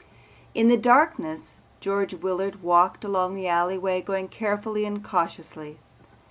In the darkness George Willard walked along the alleyway, going carefully and cautiously.